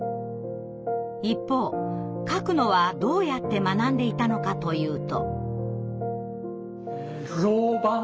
一方書くのはどうやって学んでいたのかというと。